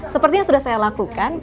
seperti yang sudah saya lakukan